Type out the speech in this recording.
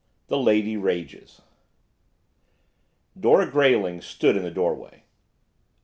THE LADY RAGES Dora Grayling stood in the doorway.